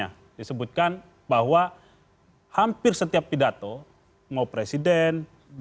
yang pertama disebutkan bahwa hampir setiap pidato mengoperasikan